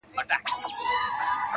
لږ وزړه ته مي ارام او سکون غواړم,